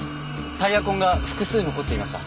タイヤ痕が複数残っていました。